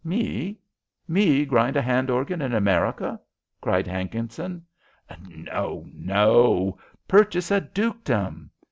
"Me? Me grind a hand organ in America?" cried Hankinson. "No, no; purchase a dukedom."